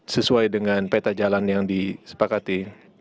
sesuai dengan peta jalan yang disepakati